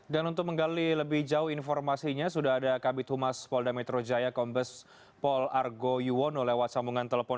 dan untuk menggali lebih jauh informasinya sudah ada kabit humas polda metro jaya kombes pol argo yuwono lewat sambungan telepon